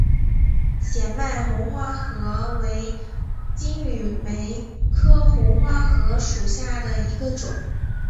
显脉红花荷为金缕梅科红花荷属下的一个种。